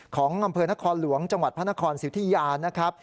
ของอำเภอนหาคอนหลวงจังหวัดพรนครธิยานท์นะครับ